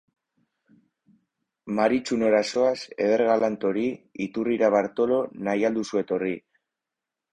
Maritxu nora zoaz, eder galant hori? Iturrira, Bartolo, nahi al duzu etorri?